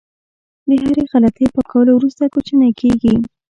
د هرې غلطۍ پاکولو وروسته کوچنی کېږي.